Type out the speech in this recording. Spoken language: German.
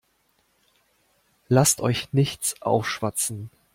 Lasst euch nichts aufschwatzen.